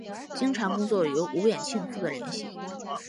经常工作由吴衍庆负责联系。